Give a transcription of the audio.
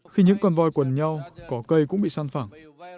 khi những con voi quần nhau cỏ cây cũng bị săn phẳng